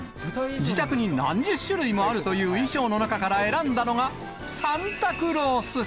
自宅に何十種類もあるという衣装の中から選んだのが、サンタクロース。